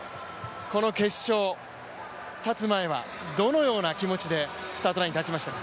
この決勝、立つ前はどのような気持ちでスタートラインに立ちましたか？